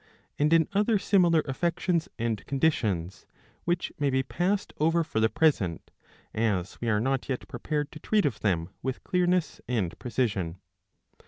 I. and in other similar affections and conditions, which may be passed over for the present, as we are not yet prepared to treat of them with clearness and precision.